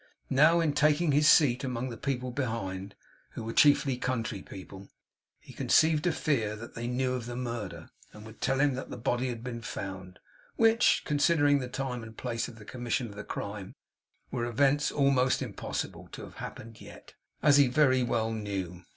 Now, in taking his seat among the people behind, who were chiefly country people, he conceived a fear that they knew of the murder, and would tell him that the body had been found; which, considering the time and place of the commission of the crime, were events almost impossible to have happened yet, as he very well knew.